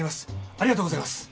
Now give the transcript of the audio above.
ありがとうございます！